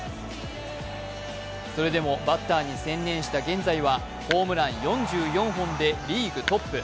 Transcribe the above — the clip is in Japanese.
それでもバッターに専念した現在はホームラン４４本でリーグトップ。